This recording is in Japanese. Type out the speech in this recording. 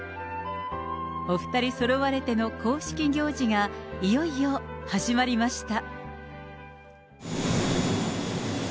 お２人そろわれての公式行事がいよいよ始まりました。